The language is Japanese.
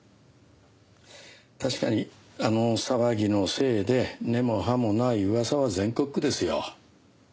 確かにあの騒ぎのせいで根も葉もない噂は全国区ですよ。